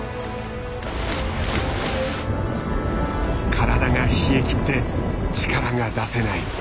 体が冷えきって力が出せない。